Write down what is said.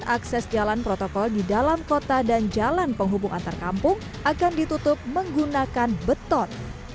akses jalan protokol di dalam kota dan jalan penghubung antar kampung akan ditutup menggunakan beton